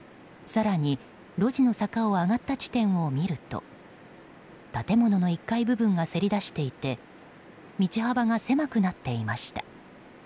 更に路地の坂を上がった地点を見ると建物の１階部分がせり出していて道幅が狭くなっていました。